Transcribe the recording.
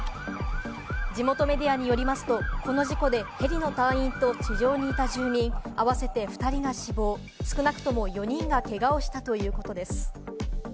地元メディアによりますと、この事故でヘリの隊員と地上にいた住民、合わせて２人が死亡、少なくとも４人がけがをしたということです。